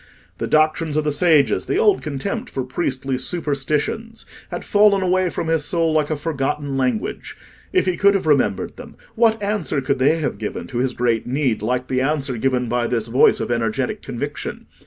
The doctrines of the sages, the old contempt for priestly superstitions, had fallen away from his soul like a forgotten language: if he could have remembered them, what answer could they have given to his great need like the answer given by this voice of energetic conviction?